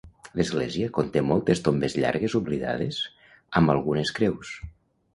L'església conté moltes tombes llargues oblidades amb algunes creus.